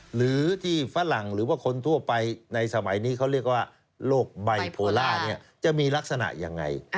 หรือที่ฝรั่งหรือว่าคนทั่วไปในสมัยนี้เขาเรียกว่าโรคไบโพล่าเนี่ยจะมีลักษณะยังไง